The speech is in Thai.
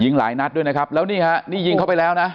หลายนัดด้วยนะครับแล้วนี่ฮะนี่ยิงเข้าไปแล้วนะ